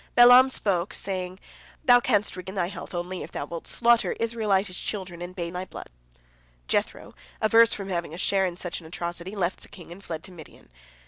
Balaam spoke, saying, "Thou canst regain thy health only if thou wilt slaughter Israelitish children and bathe in their blood." Jethro, averse from having a share in such an atrocity, left the king and fled to Midian.